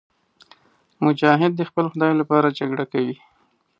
مجاهد د خپل خدای لپاره جګړه کوي.